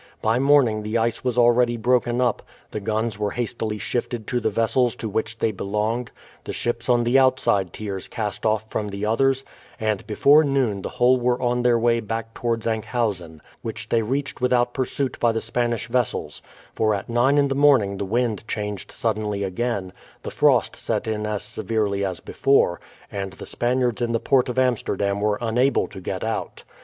By morning the ice was already broken up, the guns were hastily shifted to the vessels to which they belonged, the ships on the outside tiers cast off from the others, and before noon the whole were on their way back towards Enkhuizen, which they reached without pursuit by the Spanish vessels; for at nine in the morning the wind changed suddenly again, the frost set in as severely as before, and the Spaniards in the port of Amsterdam were unable to get out.